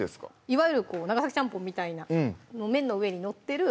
いわゆる長崎ちゃんぽんみたいな麺の上に載ってる